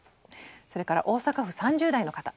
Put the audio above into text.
それから大阪府３０代の方。